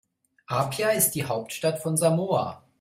Apia ist die Hauptstadt von Samoa.